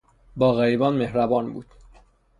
با غریبان مهربان بود.